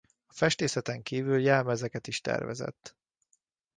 A festészeten kívül jelmezeket is tervezett.